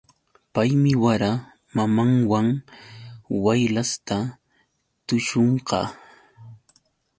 Paymi wara mamanwan waylasta tuśhunqa.